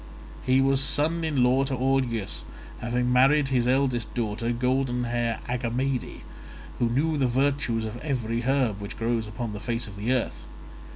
He was son in law to Augeas, having married his eldest daughter, golden haired Agamede, who knew the virtues of every herb which grows upon the face of the earth.